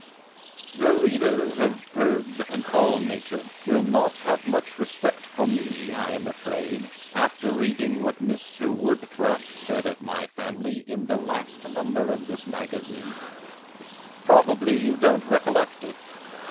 E. K. M. The little readers of Birds and All Nature will not have much respect for me, I am afraid, after reading what Mr. Wood Thrush said of my family in the last number of the magazine. Probably you don't recollect it.